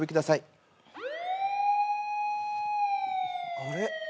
・あれ？